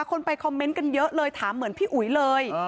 คนไปคอมเมนต์กันเยอะเลยถามเหมือนพี่อุ๋ยเลย